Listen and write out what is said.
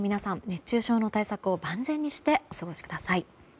熱中症の対策を万全にしてお過ごしください。